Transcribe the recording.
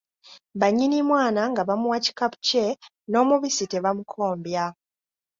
Bannyini mwana nga bamuwa kikapu kye n’omubisi tebamukombya.